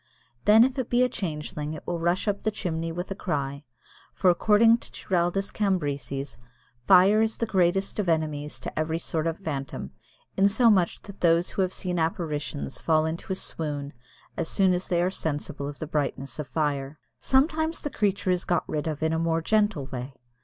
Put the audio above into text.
Then if it be a changeling it will rush up the chimney with a cry, for, according to Giraldus Cambrensis, "fire is the greatest of enemies to every sort of phantom, in so much that those who have seen apparitions fall into a swoon as soon as they are sensible of the brightness of fire." Sometimes the creature is got rid of in a more gentle way.